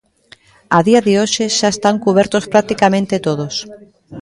A día de hoxe xa están cubertos practicamente todos.